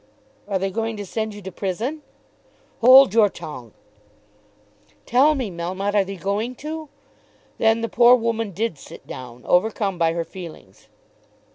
"Are they going to send you to prison?" "Hold your tongue." "Tell me, Melmotte; are they going to?" Then the poor woman did sit down, overcome by her feelings.